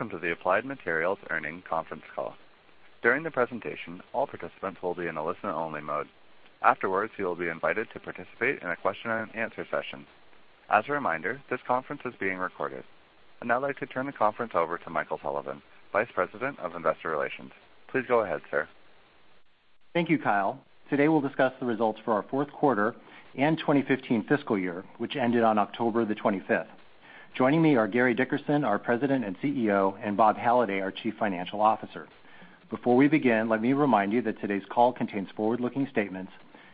Welcome to the Applied Materials Earnings Conference Call. During the presentation, all participants will be in a listen-only mode. Afterwards, you will be invited to participate in a question-and-answer session. As a reminder, this conference is being recorded. I'd now like to turn the conference over to Michael Sullivan, Vice President of Investor Relations. Please go ahead, sir. Thank you, Kyle. Today, we will discuss the results for our fourth quarter and 2015 fiscal year, which ended on October 25th. Joining me are Gary Dickerson, our President and CEO, and Bob Halliday, our Chief Financial Officer. Before we begin, let me remind you that today's call contains forward-looking statements,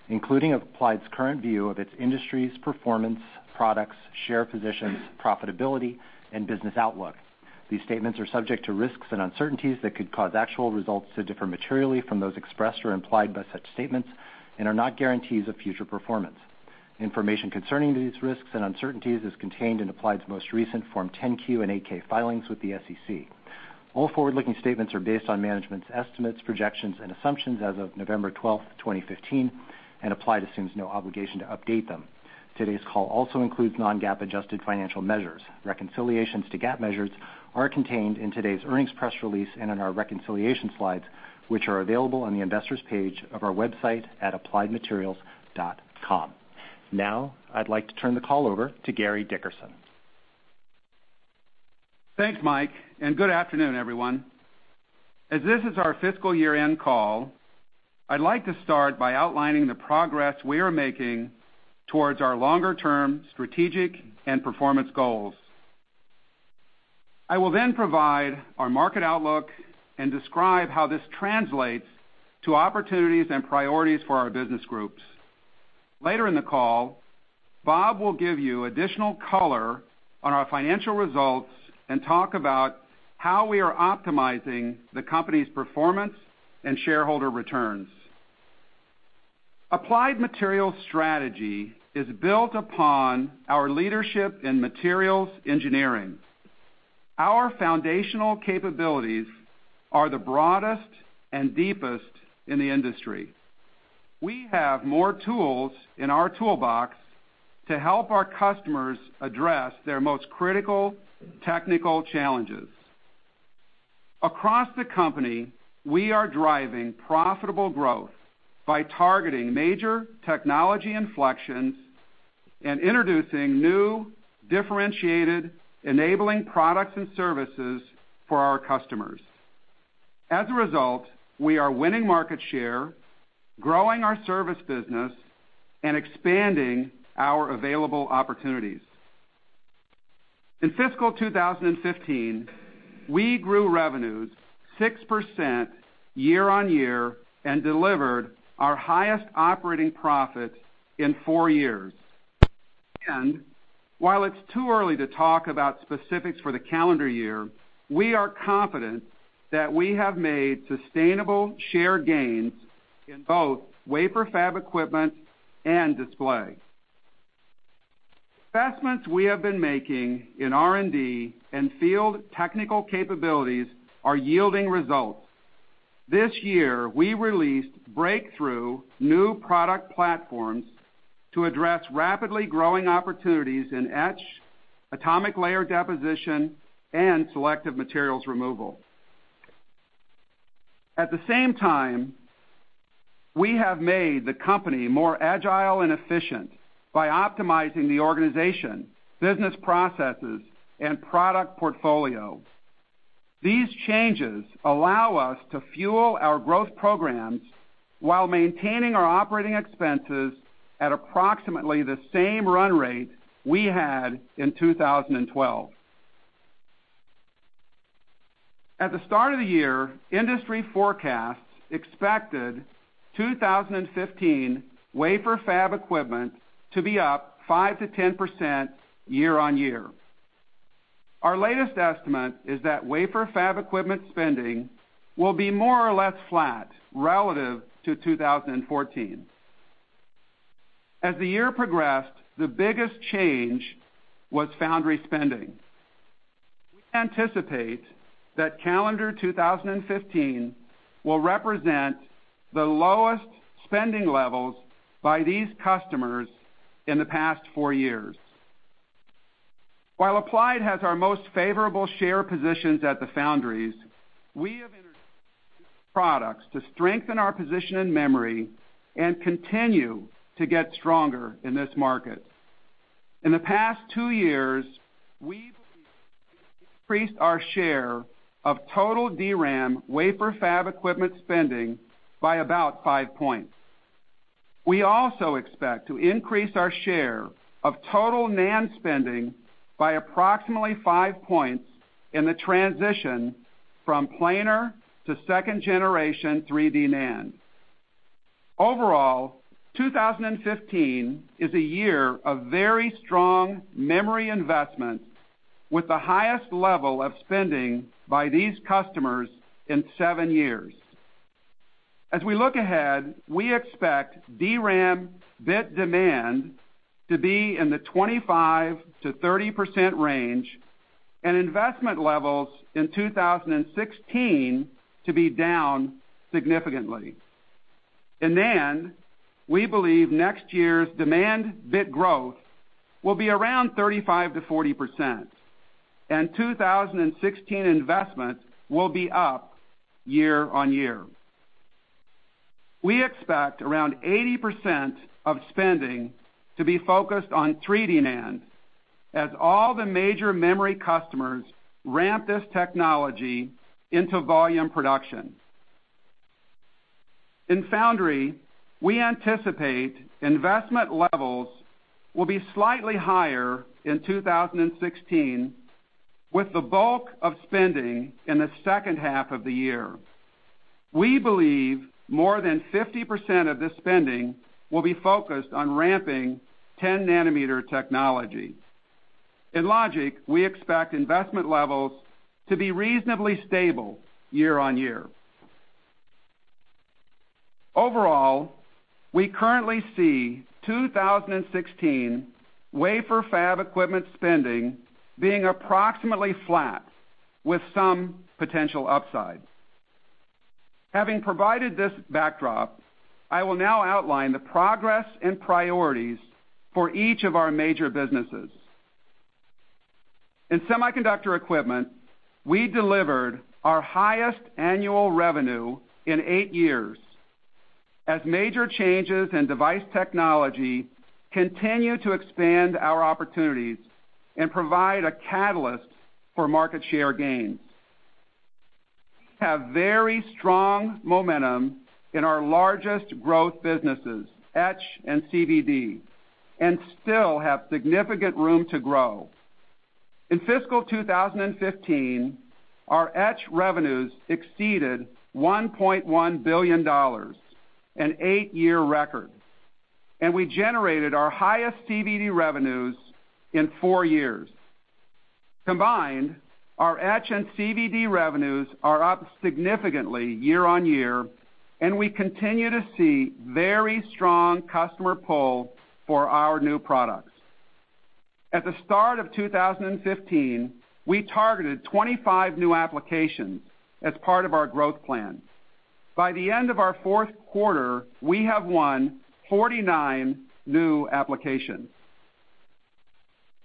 including Applied's current view of its industry's performance, products, share positions, profitability, and business outlook. These statements are subject to risks and uncertainties that could cause actual results to differ materially from those expressed or implied by such statements and are not guarantees of future performance. Information concerning these risks and uncertainties is contained in Applied's most recent Form 10-Q and 8-K filings with the SEC. All forward-looking statements are based on management's estimates, projections, and assumptions as of November 12, 2015, and Applied assumes no obligation to update them. Today's call also includes non-GAAP adjusted financial measures. Reconciliations to GAAP measures are contained in today's earnings press release and in our reconciliation slides, which are available on the investors page of our website at appliedmaterials.com. I would like to turn the call over to Gary Dickerson. Thanks, Mike. Good afternoon, everyone. As this is our fiscal year-end call, I would like to start by outlining the progress we are making towards our longer-term strategic and performance goals. I will provide our market outlook and describe how this translates to opportunities and priorities for our business groups. Later in the call, Bob will give you additional color on our financial results and talk about how we are optimizing the company's performance and shareholder returns. Applied Materials' strategy is built upon our leadership in materials engineering. Our foundational capabilities are the broadest and deepest in the industry. We have more tools in our toolbox to help our customers address their most critical technical challenges. Across the company, we are driving profitable growth by targeting major technology inflections and introducing new, differentiated, enabling products and services for our customers. As a result, we are winning market share, growing our service business, and expanding our available opportunities. In fiscal 2015, we grew revenues 6% year-on-year and delivered our highest operating profits in four years. While it's too early to talk about specifics for the calendar year, we are confident that we have made sustainable share gains in both wafer fab equipment and display. Investments we have been making in R&D and field technical capabilities are yielding results. This year, we released breakthrough new product platforms to address rapidly growing opportunities in etch, atomic layer deposition, and selective materials removal. At the same time, we have made the company more agile and efficient by optimizing the organization, business processes, and product portfolio. These changes allow us to fuel our growth programs while maintaining our operating expenses at approximately the same run rate we had in 2012. At the start of the year, industry forecasts expected 2015 wafer fab equipment to be up 5%-10% year-on-year. Our latest estimate is that wafer fab equipment spending will be more or less flat relative to 2014. As the year progressed, the biggest change was foundry spending. We anticipate that calendar 2015 will represent the lowest spending levels by these customers in the past four years. While Applied has our most favorable share positions at the foundries, we have introduced products to strengthen our position in memory and continue to get stronger in this market. In the past two years, we've increased our share of total DRAM wafer fab equipment spending by about five points. We also expect to increase our share of total NAND spending by approximately five points in the transition from planar to second generation 3D NAND. Overall, 2015 is a year of very strong memory investment with the highest level of spending by these customers in seven years. As we look ahead, we expect DRAM bit demand to be in the 25%-30% range and investment levels in 2016 to be down significantly. In NAND, we believe next year's demand bit growth will be around 35%-40%, and 2016 investments will be up year-on-year. We expect around 80% of spending to be focused on 3D NAND, as all the major memory customers ramp this technology into volume production. In foundry, we anticipate investment levels will be slightly higher in 2016, with the bulk of spending in the second half of the year. We believe more than 50% of this spending will be focused on ramping 10-nanometer technology. In logic, we expect investment levels to be reasonably stable year-on-year. Overall, we currently see 2016 wafer fab equipment spending being approximately flat, with some potential upside. Having provided this backdrop, I will now outline the progress and priorities for each of our major businesses. In semiconductor equipment, we delivered our highest annual revenue in eight years, as major changes in device technology continue to expand our opportunities and provide a catalyst for market share gains. We have very strong momentum in our largest growth businesses, etch and CVD, and still have significant room to grow. In fiscal 2015, our etch revenues exceeded $1.1 billion, an eight-year record, and we generated our highest CVD revenues in four years. Combined, our etch and CVD revenues are up significantly year-on-year, and we continue to see very strong customer pull for our new products. At the start of 2015, we targeted 25 new applications as part of our growth plan. By the end of our fourth quarter, we have won 49 new applications.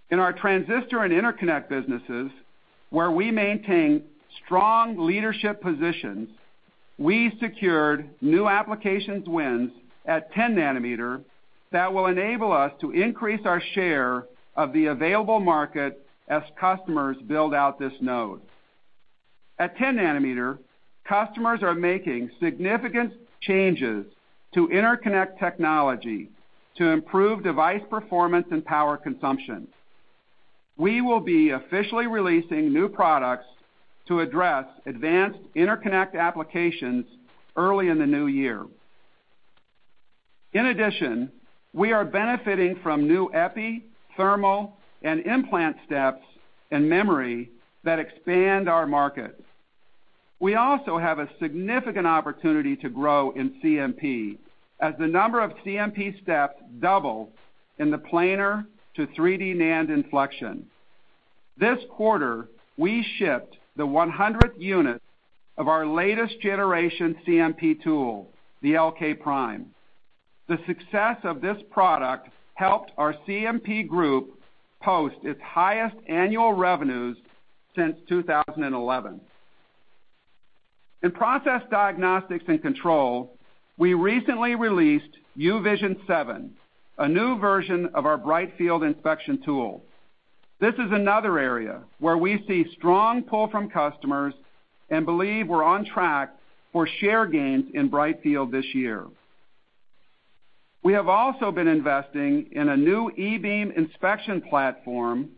In our transistor and interconnect businesses, where we maintain strong leadership positions, we secured new applications wins at 10-nanometer that will enable us to increase our share of the available market as customers build out this node. At 10-nanometer, customers are making significant changes to interconnect technology to improve device performance and power consumption. We will be officially releasing new products to address advanced interconnect applications early in the new year. In addition, we are benefiting from new EPI, thermal, and implant steps in memory that expand our market. We also have a significant opportunity to grow in CMP, as the number of CMP steps double in the planar to 3D NAND inflection. This quarter, we shipped the 100th unit of our latest generation CMP tool, the Reflexion LK Prime. The success of this product helped our CMP group post its highest annual revenues since 2011. In process diagnostics and control, we recently released UVision 7, a new version of our brightfield inspection tool. This is another area where we see strong pull from customers and believe we're on track for share gains in brightfield this year. We have also been investing in a new E-beam inspection platform,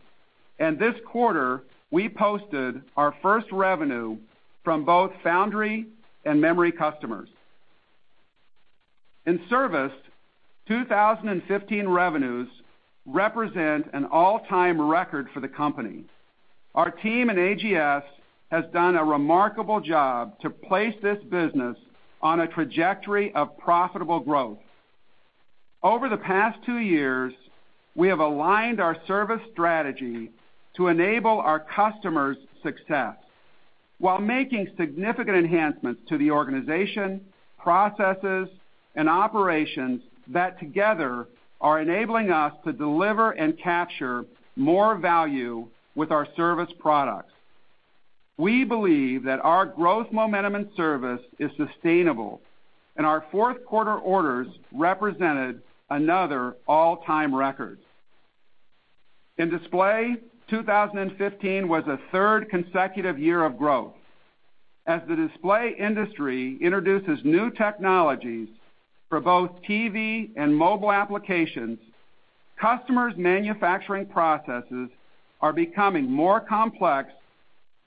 and this quarter, we posted our first revenue from both foundry and memory customers. In service, 2015 revenues represent an all-time record for the company. Our team in AGS has done a remarkable job to place this business on a trajectory of profitable growth. Over the past two years, we have aligned our service strategy to enable our customers' success while making significant enhancements to the organization, processes, and operations that together are enabling us to deliver and capture more value with our service products. We believe that our growth momentum and service is sustainable, and our fourth quarter orders represented another all-time record. In display, 2015 was a third consecutive year of growth. As the display industry introduces new technologies for both TV and mobile applications, customers' manufacturing processes are becoming more complex,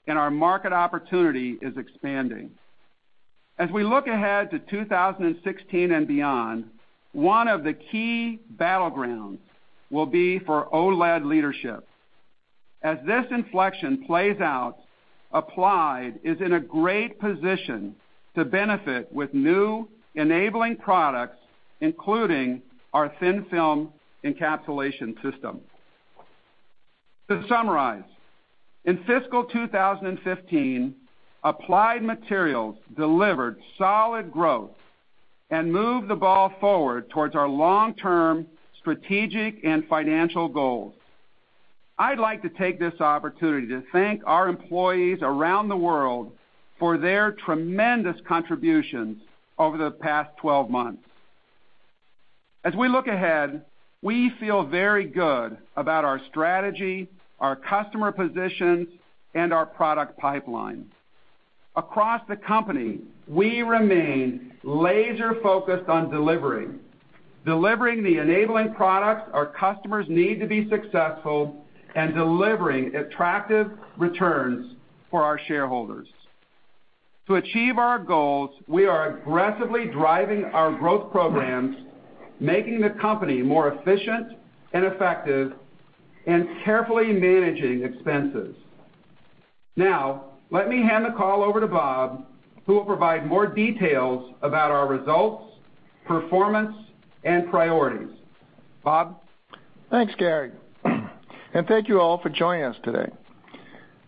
and our market opportunity is expanding. As we look ahead to 2016 and beyond, one of the key battlegrounds will be for OLED leadership. As this inflection plays out, Applied is in a great position to benefit with new enabling products, including our thin-film encapsulation system. To summarize, in fiscal 2015, Applied Materials delivered solid growth and moved the ball forward towards our long-term strategic and financial goals. I'd like to take this opportunity to thank our employees around the world for their tremendous contributions over the past 12 months. As we look ahead, we feel very good about our strategy, our customer positions, and our product pipeline. Across the company, we remain laser-focused on delivering the enabling products our customers need to be successful and delivering attractive returns for our shareholders. To achieve our goals, we are aggressively driving our growth programs, making the company more efficient and effective, and carefully managing expenses. Now, let me hand the call over to Bob, who will provide more details about our results, performance, and priorities. Bob? Thanks, Gary. Thank you all for joining us today.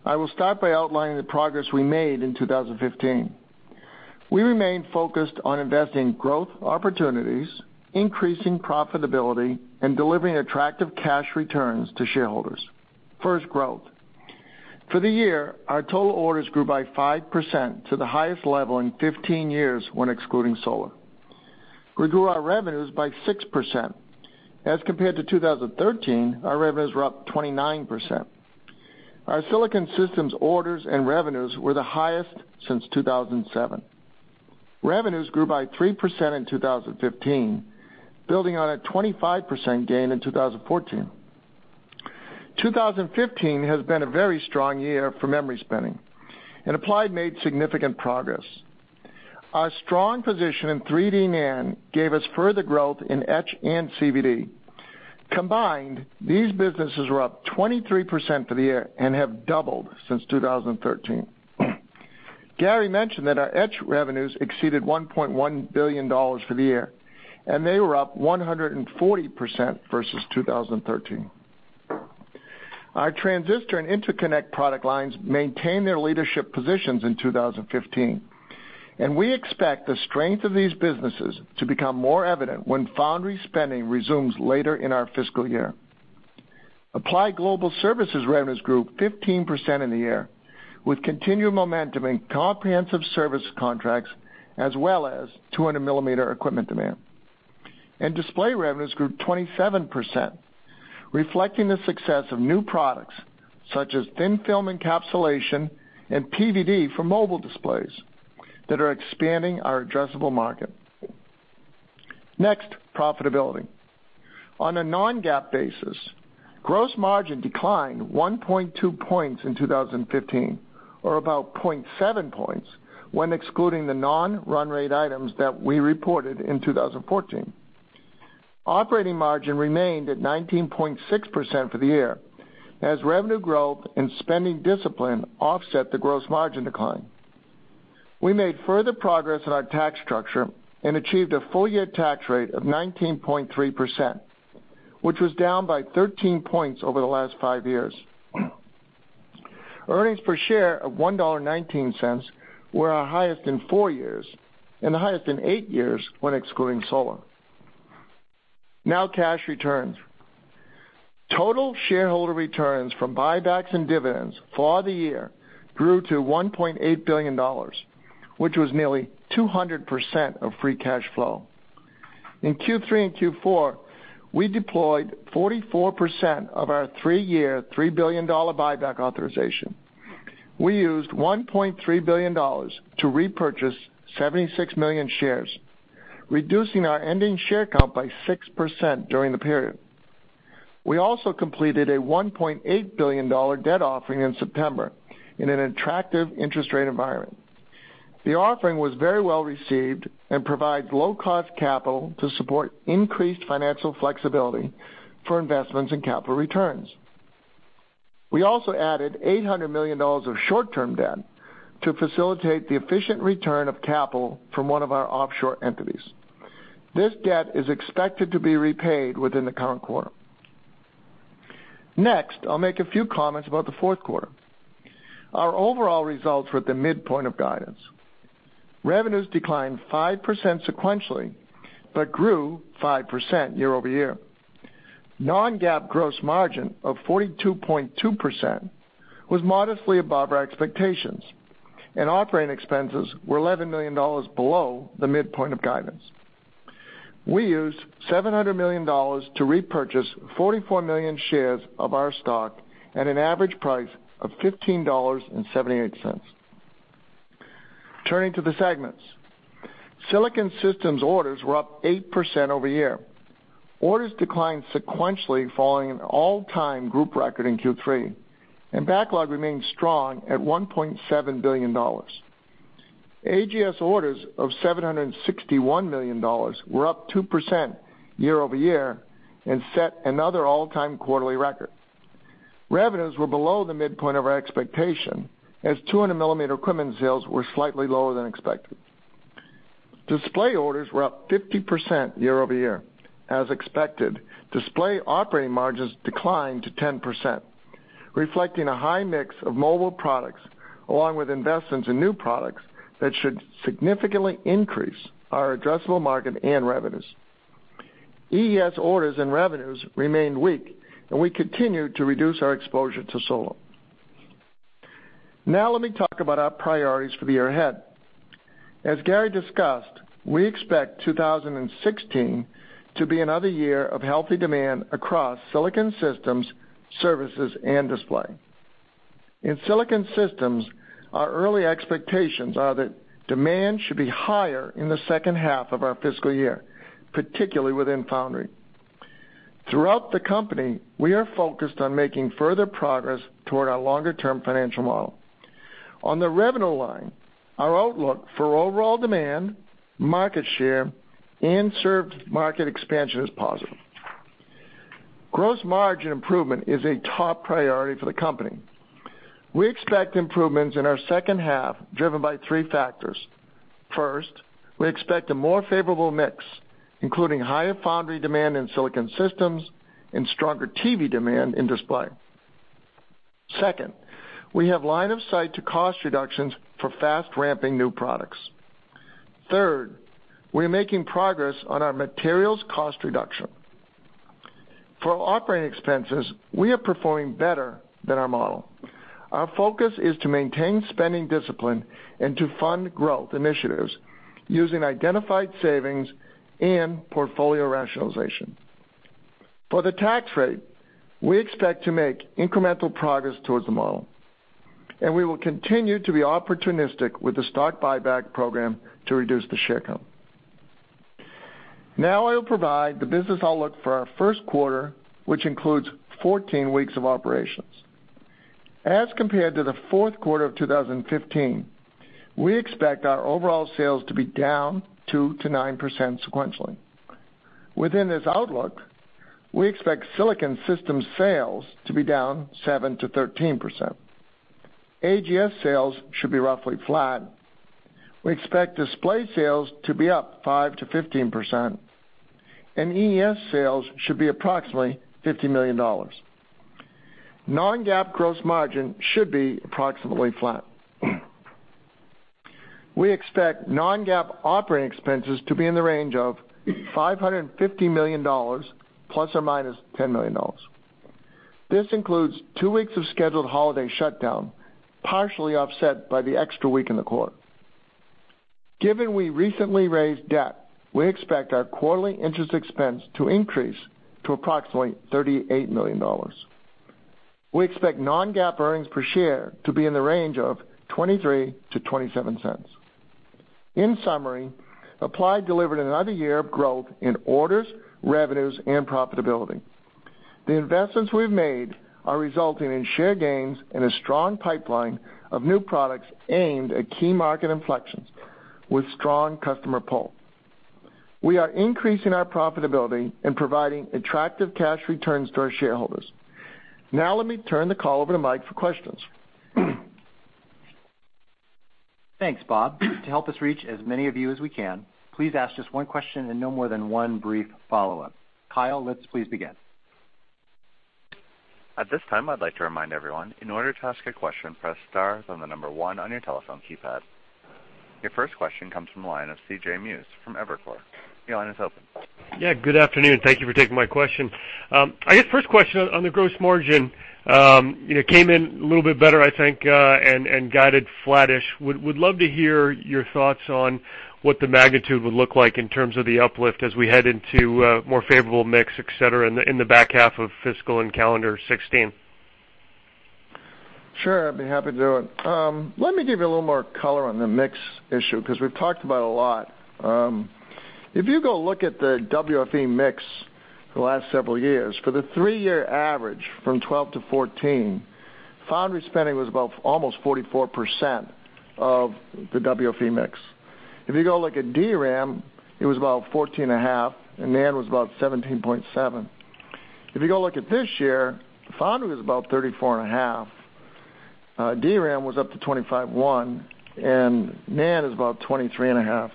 I will start by outlining the progress we made in 2015. We remain focused on investing growth opportunities, increasing profitability, and delivering attractive cash returns to shareholders. First, growth. For the year, our total orders grew by 5% to the highest level in 15 years when excluding solar. We grew our revenues by 6%. As compared to 2013, our revenues were up 29%. Our Silicon Systems orders and revenues were the highest since 2007. Revenues grew by 3% in 2015, building on a 25% gain in 2014. 2015 has been a very strong year for memory spending, and Applied made significant progress. Our strong position in 3D NAND gave us further growth in etch and CVD. Combined, these businesses were up 23% for the year and have doubled since 2013. Gary mentioned that our etch revenues exceeded $1.1 billion for the year. They were up 140% versus 2013. Our transistor and interconnect product lines maintained their leadership positions in 2015, and we expect the strength of these businesses to become more evident when foundry spending resumes later in our fiscal year. Applied Global Services revenues grew 15% in the year, with continued momentum in comprehensive service contracts, as well as 200-millimeter equipment demand. Display revenues grew 27%, reflecting the success of new products such as thin-film encapsulation and PVD for mobile displays that are expanding our addressable market. Next, profitability. On a non-GAAP basis, gross margin declined 1.2 points in 2015 or about 0.7 points when excluding the non-run rate items that we reported in 2014. Operating margin remained at 19.6% for the year, as revenue growth and spending discipline offset the gross margin decline. We made further progress on our tax structure and achieved a full-year tax rate of 19.3%, which was down by 13 points over the last five years. Earnings per share of $1.19 were our highest in four years and the highest in eight years when excluding solar. Now, cash returns. Total shareholder returns from buybacks and dividends for the year grew to $1.8 billion, which was nearly 200% of free cash flow. In Q3 and Q4, we deployed 44% of our three-year, $3 billion buyback authorization. We used $1.3 billion to repurchase 76 million shares, reducing our ending share count by 6% during the period. We also completed a $1.8 billion debt offering in September in an attractive interest rate environment. The offering was very well-received and provides low-cost capital to support increased financial flexibility for investments and capital returns. We also added $800 million of short-term debt to facilitate the efficient return of capital from one of our offshore entities. This debt is expected to be repaid within the current quarter. Next, I'll make a few comments about the fourth quarter. Our overall results were at the midpoint of guidance. Revenues declined 5% sequentially, but grew 5% year-over-year. Non-GAAP gross margin of 42.2% was modestly above our expectations, and operating expenses were $11 million below the midpoint of guidance. We used $700 million to repurchase 44 million shares of our stock at an average price of $15.78. Turning to the segments. Silicon Systems orders were up 8% year-over-year. Orders declined sequentially following an all-time group record in Q3, and backlog remains strong at $1.7 billion. AGS orders of $761 million were up 2% year-over-year and set another all-time quarterly record. Revenues were below the midpoint of our expectation as 200-millimeter equipment sales were slightly lower than expected. Display orders were up 50% year-over-year. As expected, display operating margins declined to 10%, reflecting a high mix of mobile products, along with investments in new products that should significantly increase our addressable market and revenues. EES orders and revenues remained weak, and we continued to reduce our exposure to solar. Now let me talk about our priorities for the year ahead. As Gary discussed, we expect 2016 to be another year of healthy demand across Silicon Systems, services, and display. In Silicon Systems, our early expectations are that demand should be higher in the second half of our fiscal year, particularly within foundry. Throughout the company, we are focused on making further progress toward our longer-term financial model. On the revenue line, our outlook for overall demand, market share, and served market expansion is positive. Gross margin improvement is a top priority for the company. We expect improvements in our second half driven by three factors. First, we expect a more favorable mix, including higher foundry demand in Silicon Systems and stronger TV demand in display. Second, we have line of sight to cost reductions for fast-ramping new products. Third, we are making progress on our materials cost reduction. For operating expenses, we are performing better than our model. Our focus is to maintain spending discipline and to fund growth initiatives using identified savings and portfolio rationalization. For the tax rate, we expect to make incremental progress towards the model, and we will continue to be opportunistic with the stock buyback program to reduce the share count. Now I will provide the business outlook for our first quarter, which includes 14 weeks of operations. As compared to the fourth quarter of 2015, we expect our overall sales to be down 2%-9% sequentially. Within this outlook, we expect silicon system sales to be down 7%-13%. AGS sales should be roughly flat. We expect display sales to be up 5%-15%, and EES sales should be approximately $50 million. Non-GAAP gross margin should be approximately flat. We expect non-GAAP operating expenses to be in the range of $550 million ±$10 million. This includes two weeks of scheduled holiday shutdown, partially offset by the extra week in the quarter. Given we recently raised debt, we expect our quarterly interest expense to increase to approximately $38 million. We expect non-GAAP earnings per share to be in the range of $0.23 to $0.27. In summary, Applied delivered another year of growth in orders, revenues, and profitability. The investments we've made are resulting in share gains and a strong pipeline of new products aimed at key market inflections with strong customer pull. We are increasing our profitability and providing attractive cash returns to our shareholders. Now let me turn the call over to Mike for questions. Thanks, Bob. To help us reach as many of you as we can, please ask just one question and no more than one brief follow-up. Kyle, let's please begin. At this time, I'd like to remind everyone, in order to ask a question, press star, then the number one on your telephone keypad. Your first question comes from the line of C.J. Muse from Evercore. Your line is open. Yeah, good afternoon. Thank you for taking my question. I guess first question on the gross margin, came in a little bit better, I think, and guided flattish. Would love to hear your thoughts on what the magnitude would look like in terms of the uplift as we head into a more favorable mix, et cetera, in the back half of fiscal and calendar 2016. Sure, I'd be happy to do it. Let me give you a little more color on the mix issue, because we've talked about it a lot. If you go look at the WFE mix for the last several years, for the three-year average from 2012 to 2014, foundry spending was about almost 44% of the WFE mix. If you go look at DRAM, it was about 14.5%, and NAND was about 17.7%. If you go look at this year, foundry was about 34.5%, DRAM was up to 25.1%, and NAND is about 23.5%.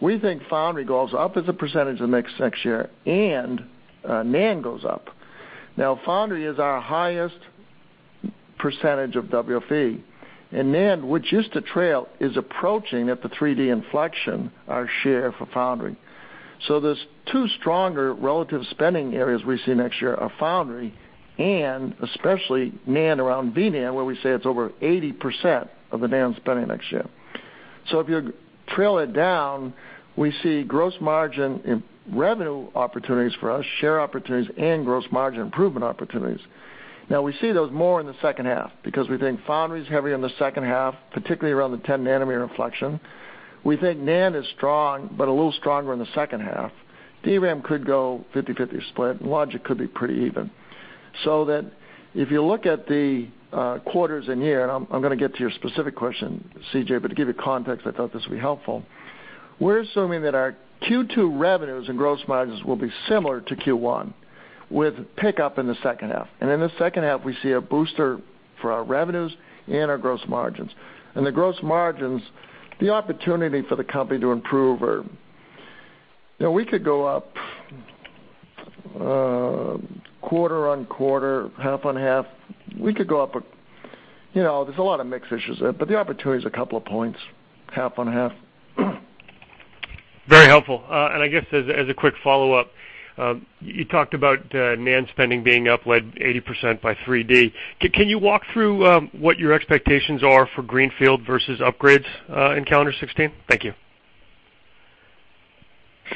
We think foundry goes up as a percentage of the mix next year, and NAND goes up. Now, foundry is our highest percentage of WFE, and NAND, which used to trail, is approaching at the 3D inflection our share for foundry. Those two stronger relative spending areas we see next year are foundry and especially NAND, around VNAND, where we say it's over 80% of the NAND spending next year. If you trail it down, we see gross margin in revenue opportunities for us, share opportunities, and gross margin improvement opportunities. We see those more in the second half because we think foundry is heavier in the second half, particularly around the 10-nanometer inflection. We think NAND is strong, but a little stronger in the second half. DRAM could go 50/50 split, and logic could be pretty even. If you look at the quarters and year, and I'm going to get to your specific question, C.J., but to give you context, I thought this would be helpful. We're assuming that our Q2 revenues and gross margins will be similar to Q1. With pickup in the second half. In the second half, we see a booster for our revenues and our gross margins. The gross margins, the opportunity for the company to improve are, we could go up quarter on quarter, half on half. There's a lot of mix issues there, but the opportunity is a couple of points, half on half. Very helpful. I guess, as a quick follow-up, you talked about NAND spending being up, led 80% by 3D. Can you walk through what your expectations are for greenfield versus upgrades in calendar 2016? Thank you.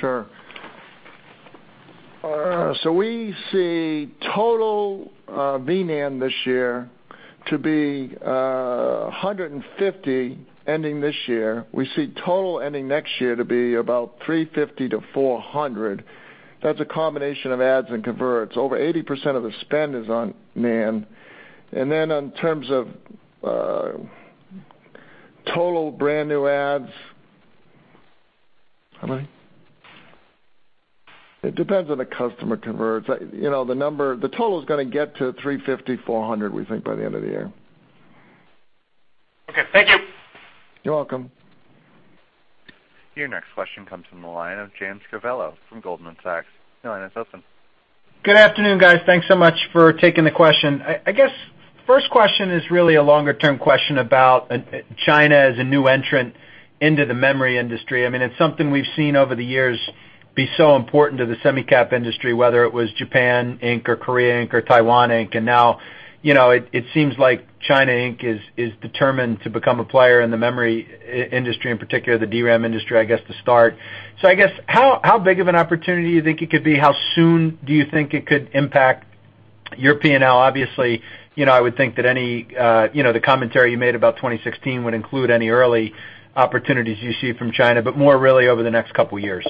Sure. We see total V-NAND this year to be 150 ending this year. We see total ending next year to be about 350 to 400. That's a combination of adds and converts. Over 80% of the spend is on NAND. In terms of total brand-new adds, how many? It depends on the customer converts. The total is going to get to 350, 400, we think, by the end of the year. Okay. Thank you. You're welcome. Your next question comes from the line of James Covello from Goldman Sachs. Your line is open. Good afternoon, guys. Thanks so much for taking the question. I guess first question is really a longer-term question about China as a new entrant into the memory industry. It's something we've seen over the years be so important to the semi-cap industry, whether it was Japan, Inc., or Korea Inc, or Taiwan Inc. Now, it seems like China Inc. is determined to become a player in the memory industry, in particular, the DRAM industry, I guess, to start. I guess, how big of an opportunity you think it could be? How soon do you think it could impact your P&L? Obviously, I would think that the commentary you made about 2016 would include any early opportunities you see from China, but more really over the next couple of years.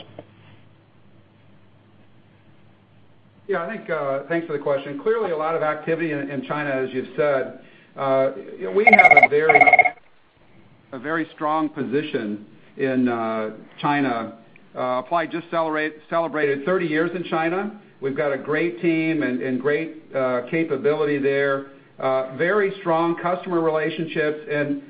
Thanks for the question. Clearly, a lot of activity in China, as you've said. We have a very strong position in China. Applied just celebrated 30 years in China. We've got a great team and great capability there. Very strong customer relationships and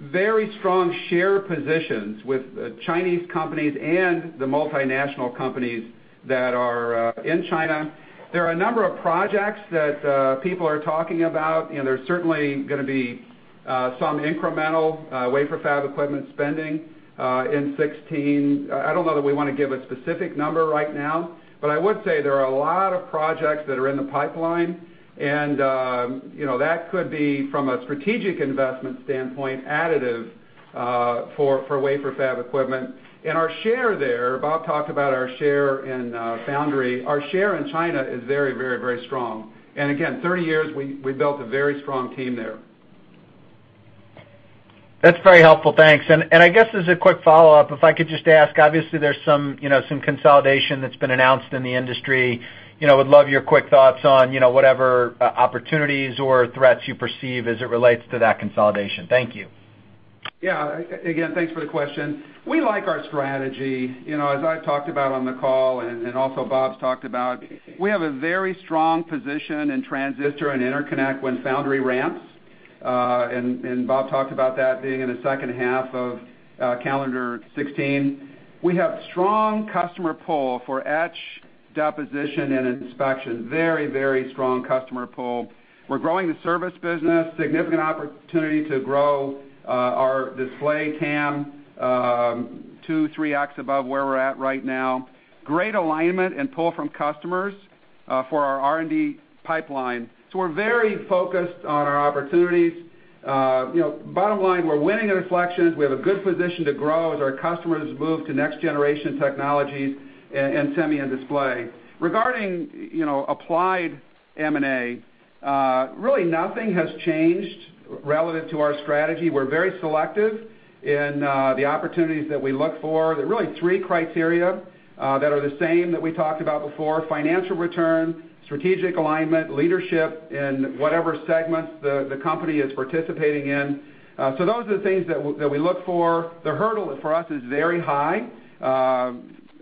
very strong share positions with Chinese companies and the multinational companies that are in China. There are a number of projects that people are talking about. There's certainly going to be some incremental wafer fab equipment spending in 2016. I don't know that we want to give a specific number right now. I would say there are a lot of projects that are in the pipeline, and that could be, from a strategic investment standpoint, additive for wafer fab equipment. Our share there, Bob talked about our share in foundry. Our share in China is very strong. Again, 30 years, we built a very strong team there. That's very helpful. Thanks. I guess as a quick follow-up, if I could just ask, obviously, there's some consolidation that's been announced in the industry. Would love your quick thoughts on whatever opportunities or threats you perceive as it relates to that consolidation. Thank you. Again, thanks for the question. We like our strategy. As I've talked about on the call and also Bob's talked about, we have a very strong position in transistor and interconnect when foundry ramps. Bob talked about that being in the second half of calendar 2016. We have strong customer pull for etch, deposition, and inspection. Very strong customer pull. We're growing the service business. Significant opportunity to grow our display TAM 2x, 3x above where we're at right now. Great alignment and pull from customers for our R&D pipeline. We're very focused on our opportunities. Bottom line, we're winning at Reflexion. We have a good position to grow as our customers move to next-generation technologies in semi and display. Regarding Applied M&A, really nothing has changed relative to our strategy. We're very selective in the opportunities that we look for. There are really three criteria that are the same that we talked about before: financial return, strategic alignment, leadership in whatever segments the company is participating in. Those are the things that we look for. The hurdle for us is very high.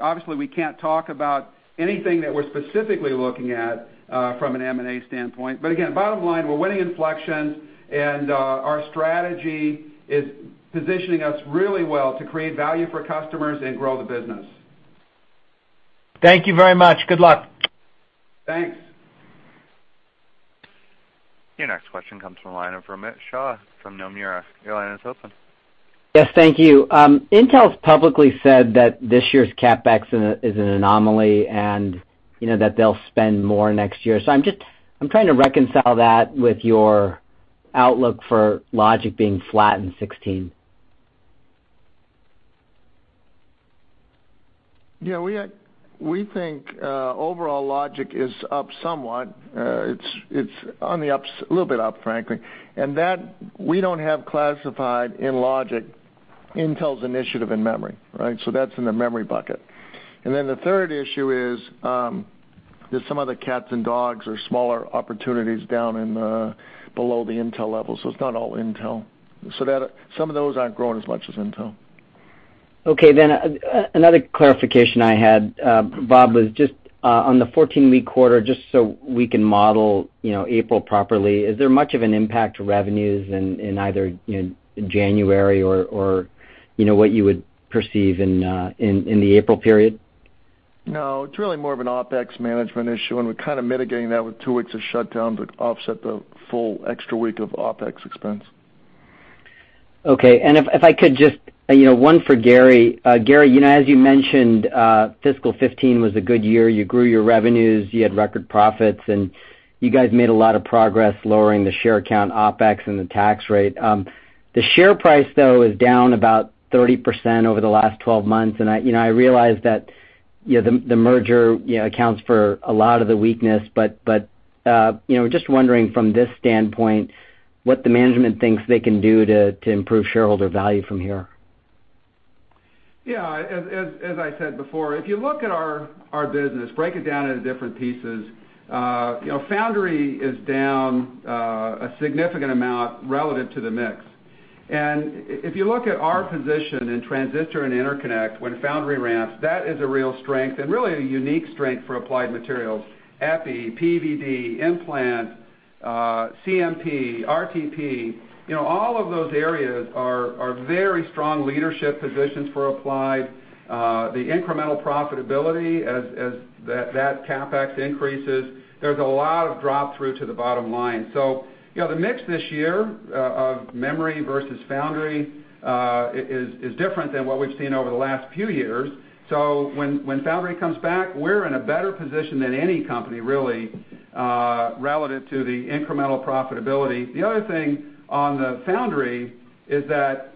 Obviously, we can't talk about anything that we're specifically looking at from an M&A standpoint. Again, bottom line, we're winning inflections, and our strategy is positioning us really well to create value for customers and grow the business. Thank you very much. Good luck. Thanks. Your next question comes from the line of Romit Shah from Nomura. Your line is open. Yes. Thank you. Intel's publicly said that this year's CapEx is an anomaly, and that they'll spend more next year. I'm trying to reconcile that with your outlook for logic being flat in 2016. We think overall logic is up somewhat. It's a little bit up, frankly. That we don't have classified in logic Intel's initiative in memory. That's in the memory bucket. The third issue is that some of the cats and dogs are smaller opportunities down below the Intel level, so it's not all Intel. Some of those aren't growing as much as Intel. Another clarification I had, Bob, was just on the 14-week quarter, just so we can model April properly. Is there much of an impact to revenues in either January or what you would perceive in the April period? No, it's really more of an OpEx management issue, and we're kind of mitigating that with two weeks of shutdown to offset the full extra week of OpEx expense. Okay. If I could just one for Gary. Gary, as you mentioned, fiscal 2015 was a good year. You grew your revenues, you had record profits, and you guys made a lot of progress lowering the share count OpEx and the tax rate. The share price, though, is down about 30% over the last 12 months, and I realize that the merger accounts for a lot of the weakness. Just wondering from this standpoint, what the management thinks they can do to improve shareholder value from here. Yeah. As I said before, if you look at our business, break it down into different pieces, foundry is down a significant amount relative to the mix. If you look at our position in transistor and interconnect when foundry ramps, that is a real strength and really a unique strength for Applied Materials. EPI, PVD, implant, CMP, RTP, all of those areas are very strong leadership positions for Applied. The incremental profitability as that CapEx increases, there's a lot of drop through to the bottom line. The mix this year of memory versus foundry is different than what we've seen over the last few years. When foundry comes back, we're in a better position than any company, really, relative to the incremental profitability. The other thing on the foundry is that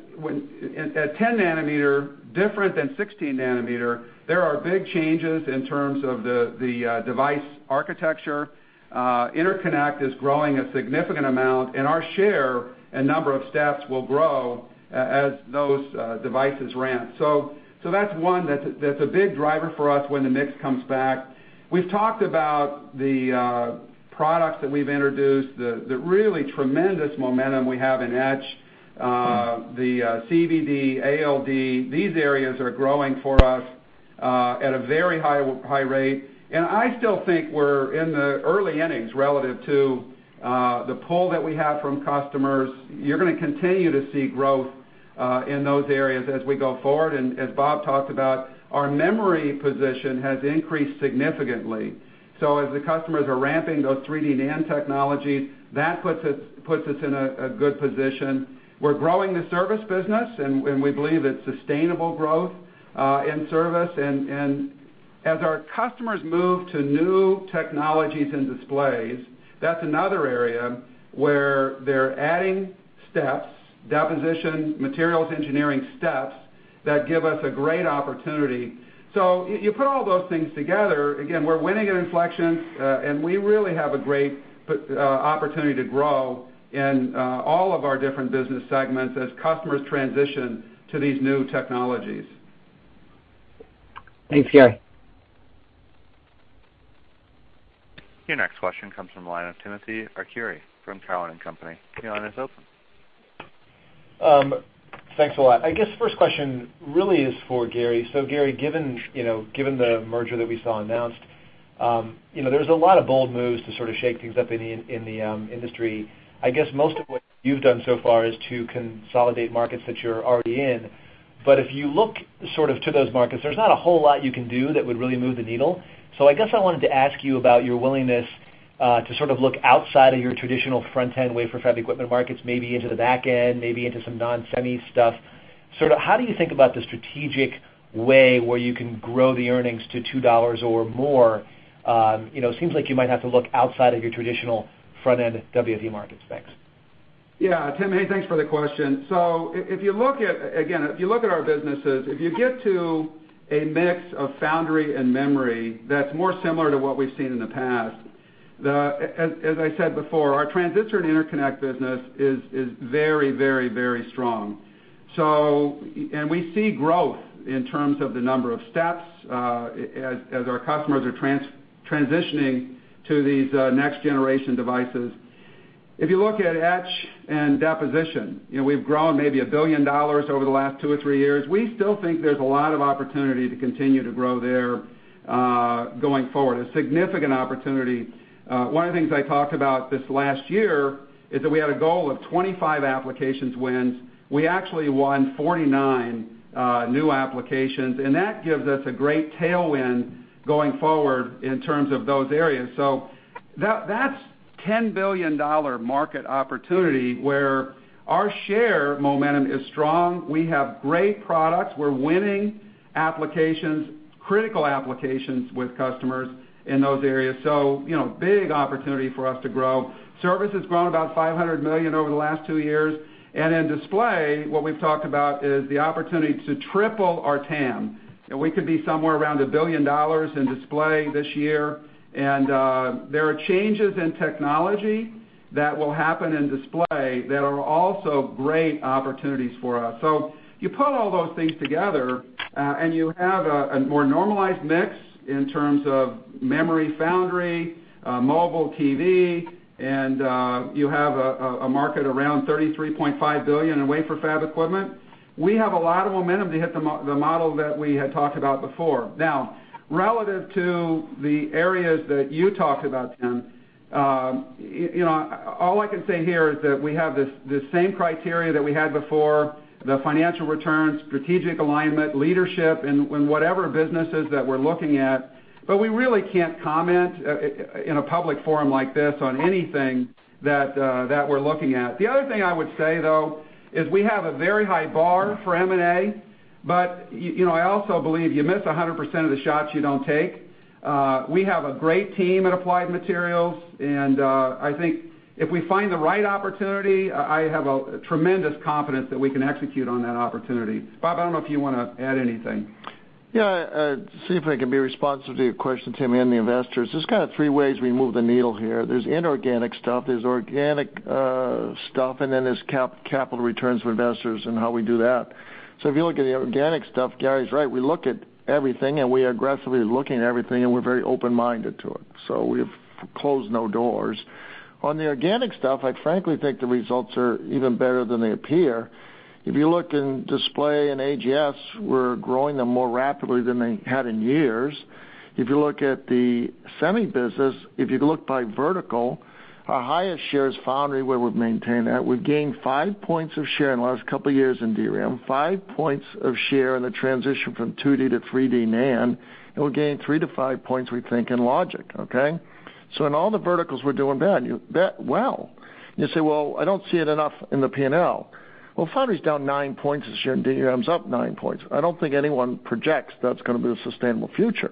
at 10 nanometer, different than 16 nanometer, there are big changes in terms of the device architecture. Interconnect is growing a significant amount, our share and number of steps will grow as those devices ramp. That's one that's a big driver for us when the mix comes back. We've talked about the products that we've introduced, the really tremendous momentum we have in etch, the CVD, ALD, these areas are growing for us at a very high rate. I still think we're in the early innings relative to the pull that we have from customers. You're going to continue to see growth in those areas as we go forward. As Bob talked about, our memory position has increased significantly. As the customers are ramping those 3D NAND technologies, that puts us in a good position. We're growing the service business, we believe it's sustainable growth in service. As our customers move to new technologies and displays, that's another area where they're adding steps, deposition materials, engineering steps that give us a great opportunity. You put all those things together, again, we're winning an inflection, we really have a great opportunity to grow in all of our different business segments as customers transition to these new technologies. Thanks, Gary. Your next question comes from the line of Timothy Arcuri from Cowen and Company. Your line is open. Thanks a lot. I guess first question really is for Gary. Gary, given the merger that we saw announced, there's a lot of bold moves to sort of shake things up in the industry. I guess most of what you've done so far is to consolidate markets that you're already in. If you look sort of to those markets, there's not a whole lot you can do that would really move the needle. I guess I wanted to ask you about your willingness to sort of look outside of your traditional front-end wafer fab equipment markets, maybe into the back end, maybe into some non-semi stuff. Sort of how do you think about the strategic way where you can grow the earnings to $2 or more? It seems like you might have to look outside of your traditional front-end WFE markets. Thanks. Yeah. Tim, hey, thanks for the question. If you look at our businesses, if you get to a mix of foundry and memory that's more similar to what we've seen in the past, as I said before, our transistor and interconnect business is very strong. We see growth in terms of the number of steps as our customers are transitioning to these next-generation devices. If you look at etch and deposition, we've grown maybe $1 billion over the last two or three years. We still think there's a lot of opportunity to continue to grow there going forward, a significant opportunity. One of the things I talked about this last year is that we had a goal of 25 applications wins. We actually won 49 new applications, and that gives us a great tailwind going forward in terms of those areas. That's $10 billion market opportunity where our share momentum is strong. We have great products. We're winning applications, critical applications with customers in those areas. Big opportunity for us to grow. Service has grown about $500 million over the last two years. In display, what we've talked about is the opportunity to triple our TAM, and we could be somewhere around $1 billion in display this year. There are changes in technology that will happen in display that are also great opportunities for us. You put all those things together, and you have a more normalized mix in terms of memory foundry, mobile TV, and you have a market around $33.5 billion in wafer fab equipment. We have a lot of momentum to hit the model that we had talked about before. Relative to the areas that you talked about, Tim, all I can say here is that we have the same criteria that we had before, the financial returns, strategic alignment, leadership in whatever businesses that we're looking at. We really can't comment in a public forum like this on anything that we're looking at. The other thing I would say, though, is we have a very high bar for M&A, I also believe you miss 100% of the shots you don't take. We have a great team at Applied Materials, and I think if we find the right opportunity, I have a tremendous confidence that we can execute on that opportunity. Bob, I don't know if you want to add anything. Yeah. See if I can be responsive to your question, Tim, and the investors. There's kind of three ways we move the needle here. There's inorganic stuff, there's organic stuff, and then there's capital returns for investors and how we do that. If you look at the organic stuff, Gary's right. We look at everything, and we are aggressively looking at everything, and we're very open-minded to it. We've closed no doors. On the organic stuff, I frankly think the results are even better than they appear. If you look in display and AGS, we're growing them more rapidly than they had in years. If you look at the semi business, if you look by vertical, our highest share is foundry, where we've maintained that. We've gained five points of share in the last couple of years in DRAM. Five points of share in the transition from 2D to 3D NAND, and we gained three to five points, we think, in logic, okay? In all the verticals, we're doing well. You say, "Well, I don't see it enough in the P&L." Well, foundry's down nine points this year, and DRAM's up nine points. I don't think anyone projects that's going to be the sustainable future.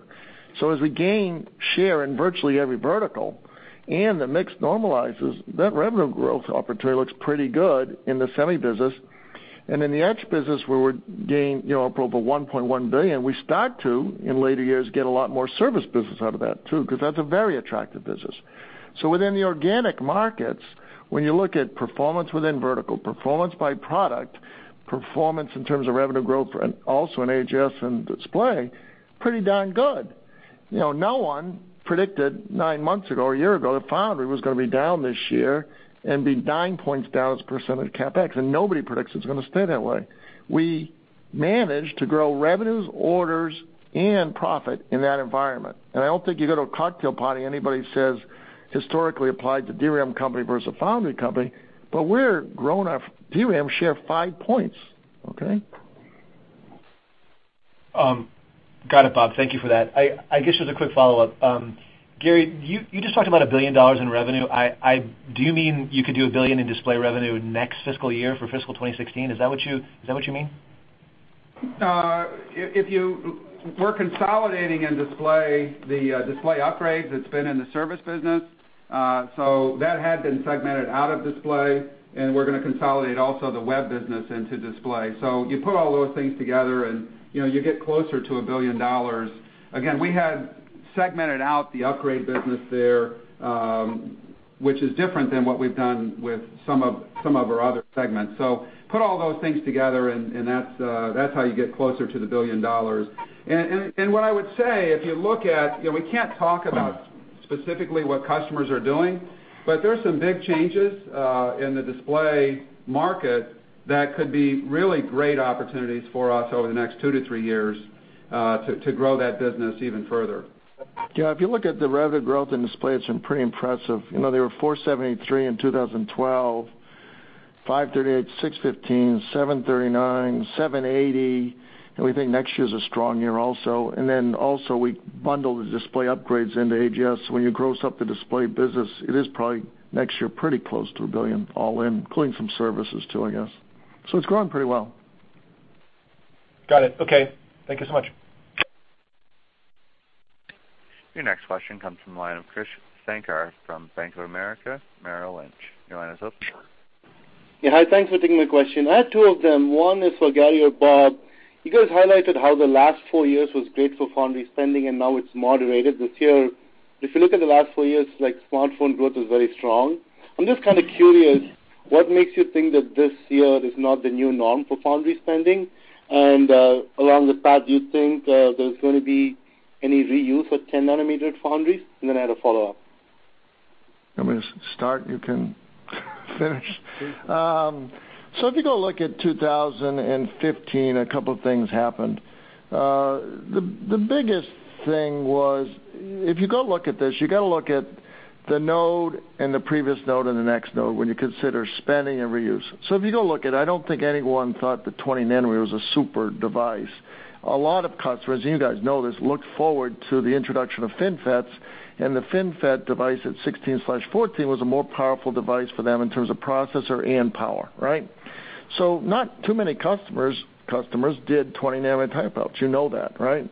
As we gain share in virtually every vertical, and the mix normalizes, that revenue growth opportunity looks pretty good in the semi business. In the etch business, where we gained up over $1.1 billion, we start to, in later years, get a lot more service business out of that, too, because that's a very attractive business. Within the organic markets, when you look at performance within vertical, performance by product, performance in terms of revenue growth, and also in AGS and display, pretty darn good. No one predicted nine months ago or a year ago that foundry was going to be down this year and be nine points down as a percent of CapEx, and nobody predicts it's going to stay that way. We managed to grow revenues, orders, and profit in that environment. I don't think you go to a cocktail party anybody says historically Applied's a DRAM company versus a foundry company, but we're growing our DRAM share five points, okay? Got it, Bob. Thank you for that. I guess just a quick follow-up. Gary, you just talked about $1 billion in revenue. Do you mean you could do $1 billion in display revenue next fiscal year for FY 2016? Is that what you mean? We're consolidating in display the display upgrades that's been in the service business. That had been segmented out of display, and we're going to consolidate also the web business into display. You put all those things together, and you get closer to $1 billion. Again, we had segmented out the upgrade business there, which is different than what we've done with some of our other segments. Put all those things together, and that's how you get closer to the $1 billion. What I would say, if you look at-- we can't talk about specifically what customers are doing, but there are some big changes in the display market that could be really great opportunities for us over the next two to three years to grow that business even further. If you look at the revenue growth in display, it's been pretty impressive. They were $473 million in 2012, $538 million, $615 million, $739 million, $780 million. We think next year's a strong year also. Then also we bundle the display upgrades into AGS. When you gross up the display business, it is probably next year pretty close to $1 billion all in, including some services too, I guess. It's growing pretty well. Got it. Okay. Thank you so much. Your next question comes from the line of Krish Sankar from Bank of America Merrill Lynch. Your line is open. Yeah. Hi. Thanks for taking my question. I have two of them. One is for Gary or Bob. You guys highlighted how the last four years was great for foundry spending, and now it's moderated. This year, if you look at the last four years, like smartphone growth was very strong. I am just kind of curious, what makes you think that this year is not the new norm for foundry spending? Along the path, do you think there is going to be any reuse of 10-nanometer foundries? Then I had a follow-up. You want me to start, and you can finish? If you go look at 2015, a couple of things happened. The biggest thing was, if you go look at this, you got to look at the node and the previous node and the next node when you consider spending and reuse. If you go look at it, I don't think anyone thought the 20 nano was a super device. A lot of customers, and you guys know this, looked forward to the introduction of FinFETs, and the FinFET device at 16/14 was a more powerful device for them in terms of processor and power, right? Not too many customers did 20-nanometer tape outs. You know that, right?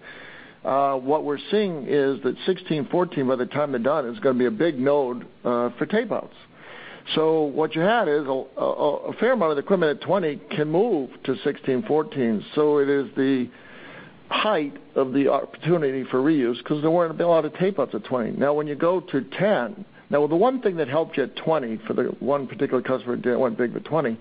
What we are seeing is that 16/14, by the time they are done, is going to be a big node for tape outs. What you had is a fair amount of the equipment at 20 can move to 16/14. It is the height of the opportunity for reuse because there weren't a lot of tape outs at 20. When you go to 10, the one thing that helped you at 20 for the one particular customer that went big with 20,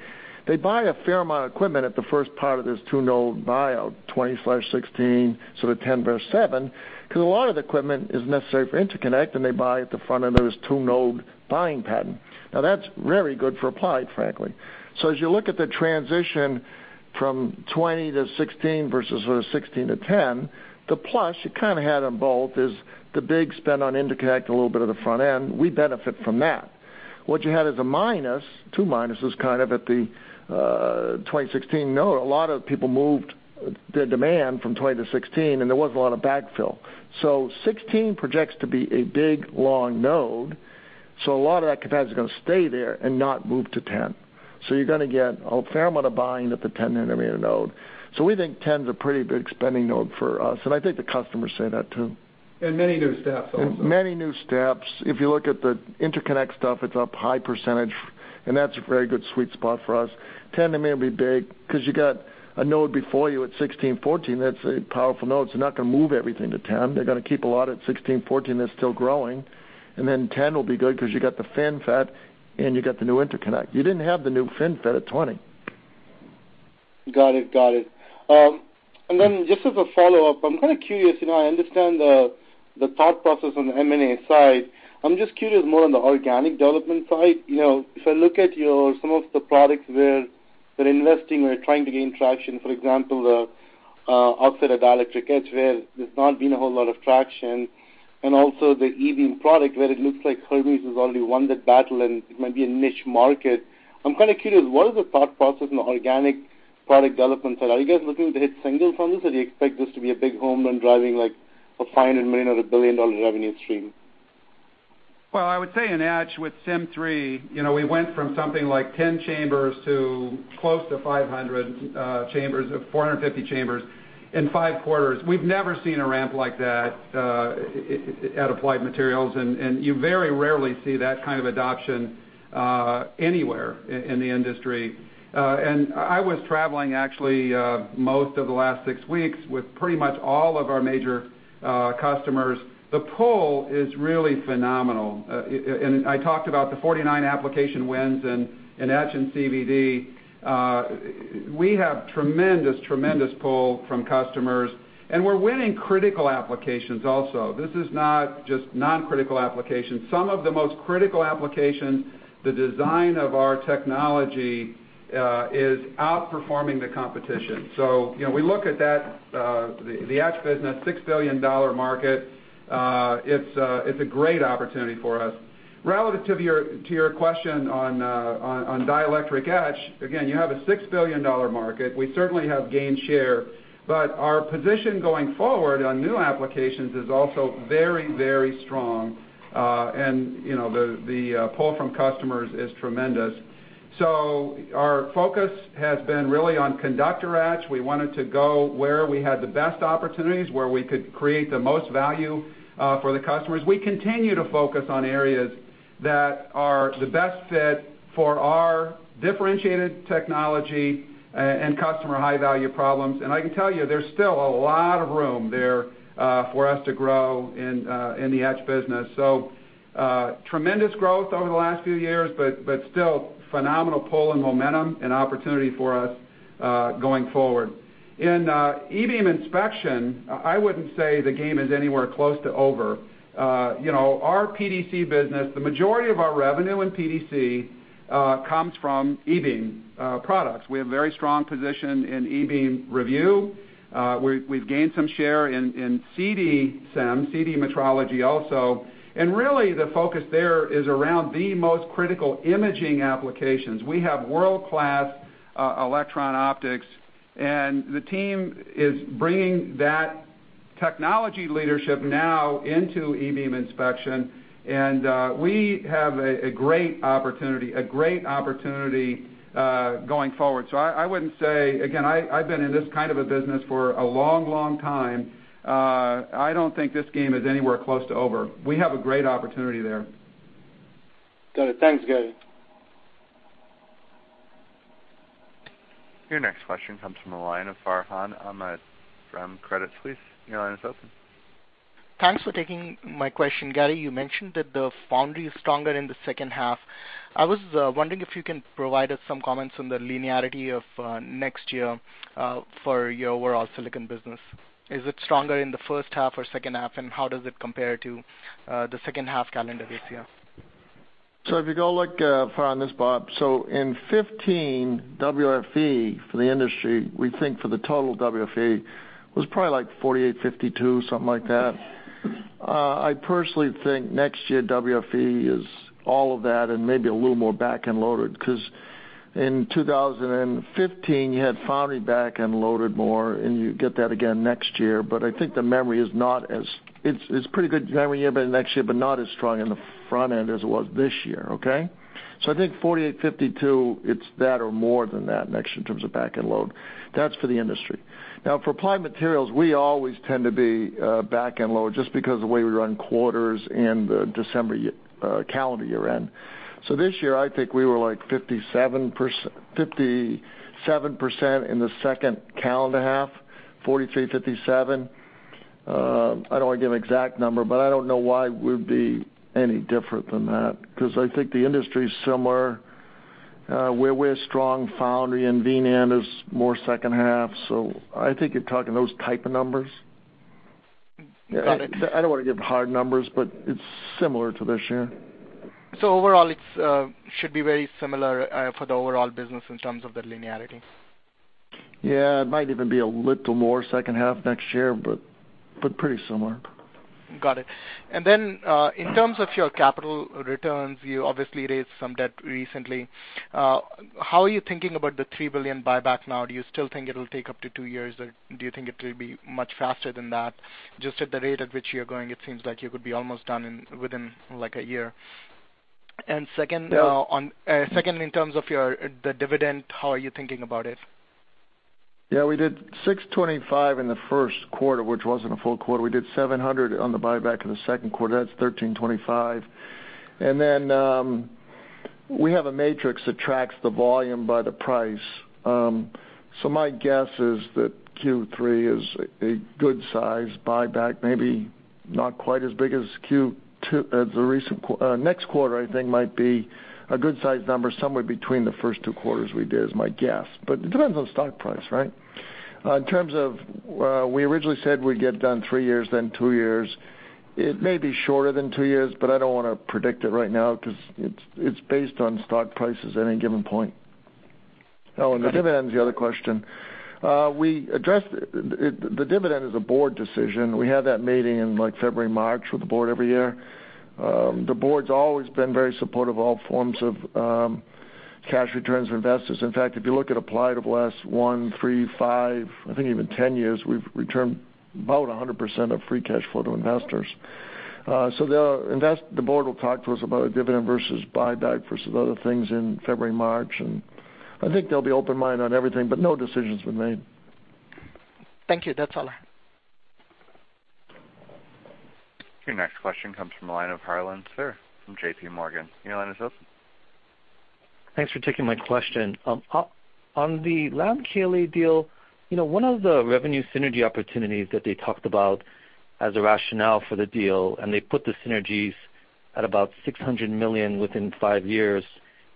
they buy a fair amount of equipment at the first part of this two-node buy of 20/16, the 10 verse 7, because a lot of the equipment is necessary for interconnect, and they buy at the front end of this two-node buying pattern. That's very good for Applied, frankly. As you look at the transition from 20 to 16 versus 16 to 10, the plus you had on both is the big spend on interconnect, a little bit of the front end, we benefit from that. What you had as a minus, two minuses at the 2016 node, a lot of people moved their demand from 20 to 16, and there wasn't a lot of backfill. 16 projects to be a big long node, a lot of that capacity is going to stay there and not move to 10. You're going to get a fair amount of buying at the 10-nanometer node. We think 10's a pretty big spending node for us, and I think the customers say that, too. Many new steps also. Many new steps. If you look at the interconnect stuff, it's up high percentage, and that's a very good sweet spot for us. 10-nanometer will be big because you got a node before you at 16, 14, that's a powerful node, they're not going to move everything to 10. They're going to keep a lot at 16, 14 that's still growing, 10 will be good because you got the FinFET and you got the new interconnect. You didn't have the new FinFET at 20. Got it. Just as a follow-up, I'm curious, I understand the thought process on the M&A side. I'm just curious more on the organic development side. If I look at your, some of the products where they're investing or trying to gain traction, for example, the offset of dielectric etch, where there's not been a whole lot of traction, and also the E-beam product where it looks like Hermes has already won that battle and it might be a niche market. I'm curious, what is the thought process on the organic product development side? Are you guys looking to hit single from this, or do you expect this to be a big home run driving like a $500 million or a billion-dollar revenue stream? Well, I would say in etch with Sym3, we went from something like 10 chambers to close to 500 chambers, or 450 chambers in five quarters. We've never seen a ramp like that at Applied Materials, and you very rarely see that kind of adoption anywhere in the industry. I was traveling actually most of the last six weeks with pretty much all of our major customers. The pull is really phenomenal. I talked about the 49 application wins in etch and CVD. We have tremendous pull from customers, and we're winning critical applications also. This is not just non-critical applications. Some of the most critical applications, the design of our technology is outperforming the competition. We look at that, the etch business, a $6 billion market, it's a great opportunity for us. Relative to your question on dielectric etch, again, you have a $6 billion market. We certainly have gained share, but our position going forward on new applications is also very strong. The pull from customers is tremendous. Our focus has been really on conductor etch. We wanted to go where we had the best opportunities, where we could create the most value for the customers. We continue to focus on areas that are the best fit for our differentiated technology and customer high-value problems. I can tell you, there's still a lot of room there for us to grow in the etch business. Tremendous growth over the last few years, but still phenomenal pull and momentum and opportunity for us going forward. In E-beam inspection, I wouldn't say the game is anywhere close to over. Our PDC business, the majority of our revenue in PDC comes from E-beam products. We have very strong position in E-beam review. We've gained some share in CD SEM, CD metrology also, really the focus there is around the most critical imaging applications. We have world-class electron optics, the team is bringing that technology leadership now into E-beam inspection, and we have a great opportunity going forward. I wouldn't say, again, I've been in this kind of a business for a long time. I don't think this game is anywhere close to over. We have a great opportunity there. Got it. Thanks, Gary. Your next question comes from the line of Farhan Ahmad from Credit Suisse. Your line is open. Thanks for taking my question. Gary, you mentioned that the foundry is stronger in the second half. I was wondering if you can provide us some comments on the linearity of next year for your overall silicon business. Is it stronger in the first half or second half, and how does it compare to the second half calendar this year? If you go look, Farhan, this, Bob, so in 2015, WFE for the industry, we think for the total WFE, was probably like 48/52, something like that. I personally think next year WFE is all of that and maybe a little more back-end loaded because in 2015, you had foundry back-end loaded more, and you get that again next year. I think the memory is not as-- it's a pretty good memory year next year, but not as strong in the front end as it was this year, okay? I think 48/52, it's that or more than that next year in terms of back-end load. That's for the industry. Now, for Applied Materials, we always tend to be back-end load just because of the way we run quarters and the December calendar year end. This year, I think we were like 57% in the second calendar half, 43/57. I don't want to give an exact number, but I don't know why we'd be any different than that because I think the industry's similar. We're a strong foundry and VNAND is more second half, so I think you're talking those type of numbers. Got it. I don't want to give hard numbers, but it's similar to this year. Overall, it should be very similar for the overall business in terms of the linearity? Yeah. It might even be a little more second half next year, but pretty similar. Got it. Then, in terms of your capital returns, you obviously raised some debt recently. How are you thinking about the $3 billion buyback now? Do you still think it will take up to two years, or do you think it will be much faster than that? Just at the rate at which you are going, it seems like you could be almost done within a year. Yeah Second, in terms of the dividend, how are you thinking about it? Yeah. We did $625 in the first quarter, which wasn't a full quarter. We did $700 on the buyback in the second quarter. That's $1,325. Then, we have a matrix that tracks the volume by the price. My guess is that Q3 is a good size buyback, maybe not quite as big as the recent. Next quarter, I think, might be a good size number, somewhere between the first two quarters we did is my guess. It depends on stock price, right? In terms of, we originally said we would get done three years, then two years. It may be shorter than two years, but I don't want to predict it right now because it is based on stock prices at any given point. The dividend's the other question. The dividend is a board decision. We have that meeting in February, March with the board every year. The board's always been very supportive of all forms of cash returns for investors. In fact, if you look at Applied over the last one, three, five, I think even 10 years, we have returned about 100% of free cash flow to investors. The board will talk to us about a dividend versus buyback versus other things in February, March. I think they will be open-minded on everything, no decisions were made. Thank you. That is all I have. Your next question comes from the line of Harlan Sur, from J.P. Morgan. Your line is open. Thanks for taking my question. On the Lam KLA deal, one of the revenue synergy opportunities that they talked about as a rationale for the deal, and they put the synergies at about $600 million within five years,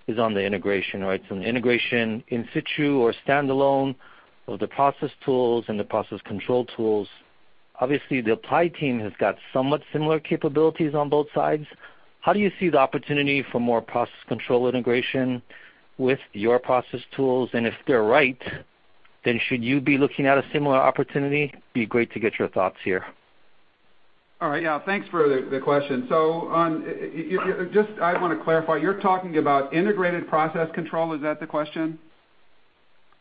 is on the integration, right? The integration in situ or standalone of the process tools and the process control tools. Obviously, the Applied team has got somewhat similar capabilities on both sides. How do you see the opportunity for more process control integration with your process tools? If they are right, should you be looking at a similar opportunity? Be great to get your thoughts here. All right, yeah. Thanks for the question. Just, I want to clarify, you are talking about integrated process control. Is that the question?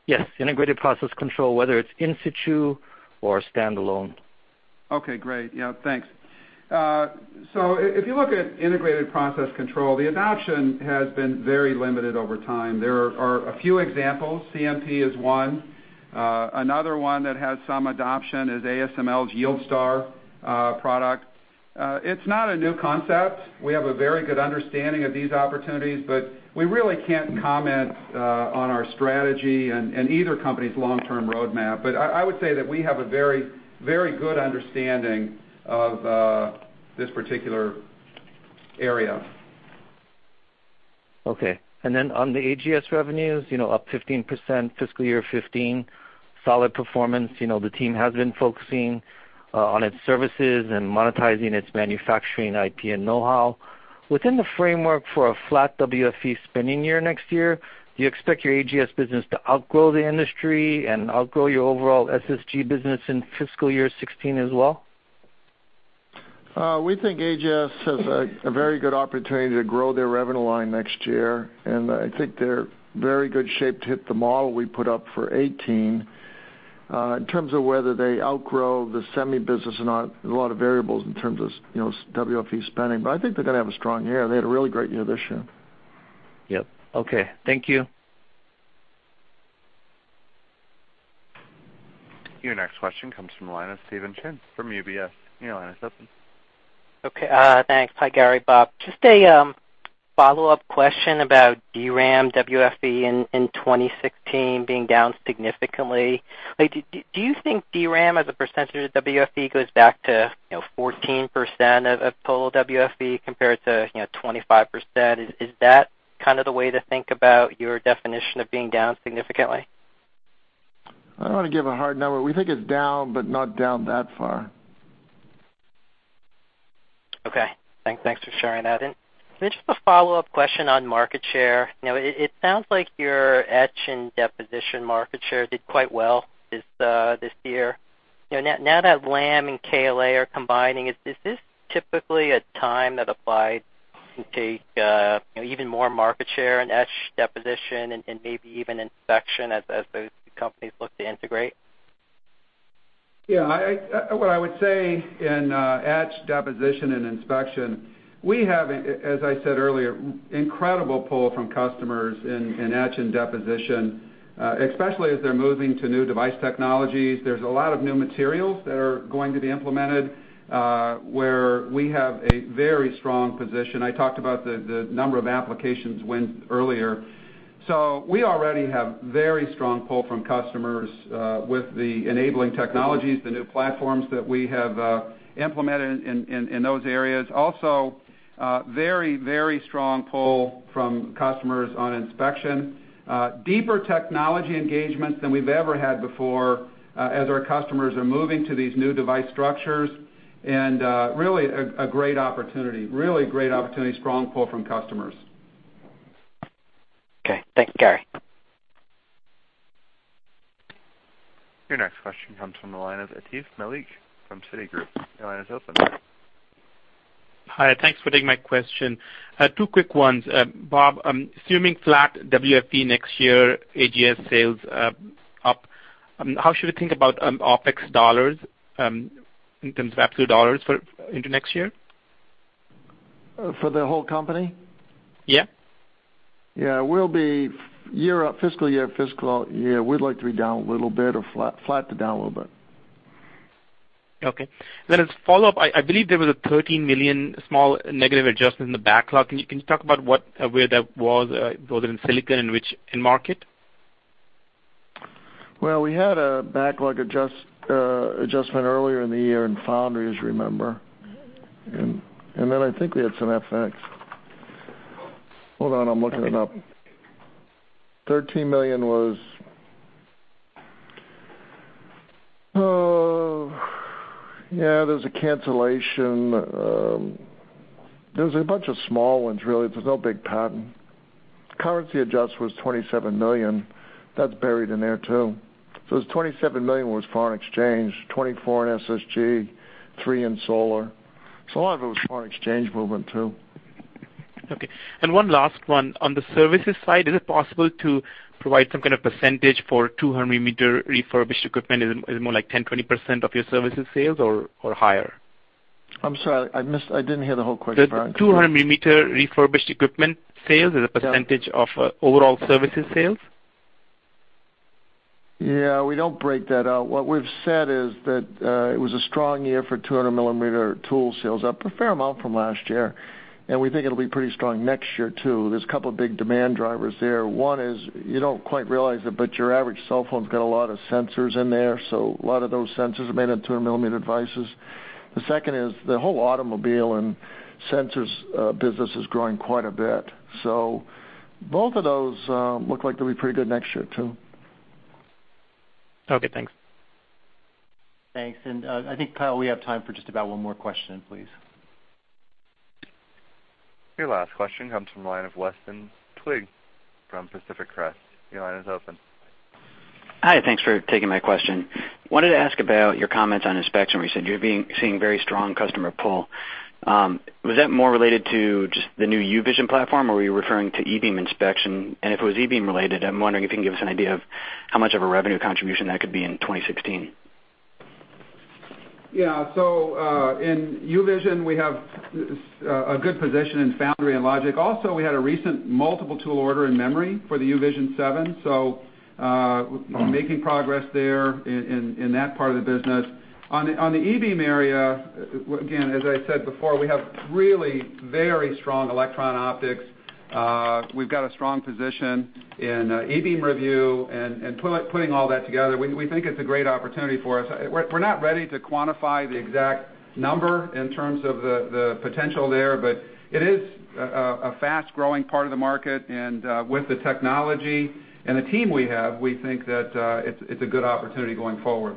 Yes. Integrated process control, whether it's in situ or standalone. Okay, great. Yeah, thanks. If you look at integrated process control, the adoption has been very limited over time. There are a few examples. CMP is one. Another one that has some adoption is ASML's YieldStar product. It's not a new concept. We have a very good understanding of these opportunities, we really can't comment on our strategy and either company's long-term roadmap. I would say that we have a very good understanding of this particular area. Okay. On the AGS revenues, up 15% fiscal year 2015, solid performance. The team has been focusing on its services and monetizing its manufacturing IP and know-how. Within the framework for a flat WFE spending year next year, do you expect your AGS business to outgrow the industry and outgrow your overall SSG business in fiscal year 2016 as well? We think AGS has a very good opportunity to grow their revenue line next year, and I think they're in very good shape to hit the model we put up for 2018. In terms of whether they outgrow the semi business or not, there's a lot of variables in terms of WFE spending, I think they're going to have a strong year. They had a really great year this year. Yep. Okay. Thank you. Your next question comes from the line of Stephen Chin from UBS. Your line is open. Okay. Thanks. Hi, Gary, Bob. Just a follow-up question about DRAM WFE in 2016 being down significantly. Do you think DRAM as a percentage of WFE goes back to 14% of total WFE compared to 25%? Is that kind of the way to think about your definition of being down significantly? I don't want to give a hard number. We think it's down, but not down that far. Okay. Thanks for sharing that. Just a follow-up question on market share. It sounds like your etch and deposition market share did quite well this year. Now that Lam and KLA are combining, is this typically a time that Applied can take even more market share in etch deposition and maybe even inspection as those companies look to integrate? Yeah. What I would say in etch, deposition, and inspection, we have, as I said earlier, incredible pull from customers in etch and deposition, especially as they're moving to new device technologies. There's a lot of new materials that are going to be implemented, where we have a very strong position. I talked about the number of applications wins earlier. We already have very strong pull from customers with the enabling technologies, the new platforms that we have implemented in those areas. Also very, very strong pull from customers on inspection. Deeper technology engagements than we've ever had before as our customers are moving to these new device structures. Really a great opportunity. Really great opportunity. Strong pull from customers. Okay. Thank you, Gary. Your next question comes from the line of Atif Malik from Citigroup. Your line is open. Hi, thanks for taking my question. Two quick ones. Bob, assuming flat WFE next year, AGS sales up, how should we think about OpEx dollars in terms of absolute dollars into next year? For the whole company? Yeah. Yeah. We'll be fiscal year, we'd like to be down a little bit or flat to down a little bit. Okay. As follow-up, I believe there was a $13 million small negative adjustment in the backlog. Can you talk about where that was, both in silicon and which end market? Well, we had a backlog adjustment earlier in the year in foundries, remember. I think we had some FX. Hold on, I'm looking it up. $13 million was Yeah, there's a cancellation. There's a bunch of small ones, really. There's no big pattern. Currency adjust was $27 million. That's buried in there, too. It was $27 million was foreign exchange, $24 in SSG, $3 in solar. A lot of it was foreign exchange movement, too. Okay. One last one. On the services side, is it possible to provide some kind of percentage for 200-millimeter refurbished equipment? Is it more like 10%, 20% of your services sales or higher? I'm sorry, I didn't hear the whole question, pardon. The 200-millimeter refurbished equipment sales as a percentage of overall services sales. Yeah, we don't break that out. What we've said is that it was a strong year for 200-millimeter tool sales, up a fair amount from last year, and we think it'll be pretty strong next year, too. There's a couple of big demand drivers there. One is, you don't quite realize it, but your average cell phone's got a lot of sensors in there, so a lot of those sensors are made in 200-millimeter devices. Both of those look like they'll be pretty good next year, too. Okay, thanks. Thanks. I think, Kyle, we have time for just about one more question, please. Your last question comes from the line of Weston Twigg from Pacific Crest. Your line is open. Hi, thanks for taking my question. Wanted to ask about your comments on inspection, where you said you're seeing very strong customer pull. Was that more related to just the new UVision platform, or were you referring to E-beam inspection? If it was E-beam related, I'm wondering if you can give us an idea of how much of a revenue contribution that could be in 2016. Yeah. In UVision, we have a good position in foundry and logic. Also, we had a recent multiple tool order in memory for the UVision 7, making progress there in that part of the business. On the E-beam area, again, as I said before, we have really very strong electron optics. We've got a strong position in E-beam review and putting all that together, we think it's a great opportunity for us. We're not ready to quantify the exact number in terms of the potential there, but it is a fast-growing part of the market. With the technology and the team we have, we think that it's a good opportunity going forward.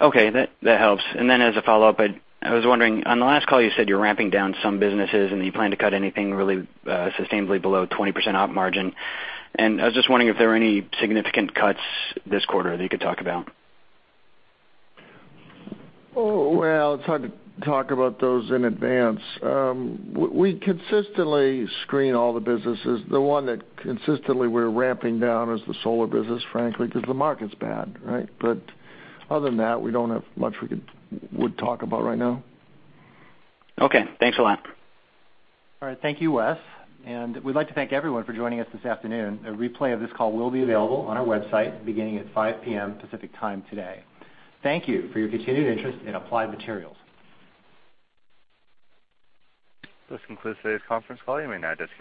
Okay. That helps. Then as a follow-up, I was wondering, on the last call you said you were ramping down some businesses and you plan to cut anything really sustainably below 20% op margin. I was just wondering if there were any significant cuts this quarter that you could talk about. Well, it's hard to talk about those in advance. We consistently screen all the businesses. The one that consistently we're ramping down is the solar business, frankly, because the market's bad, right? Other than that, we don't have much we would talk about right now. Okay. Thanks a lot. All right. Thank you, Wes. We'd like to thank everyone for joining us this afternoon. A replay of this call will be available on our website beginning at 5:00 P.M. Pacific Time today. Thank you for your continued interest in Applied Materials. This concludes today's conference call. You may now disconnect.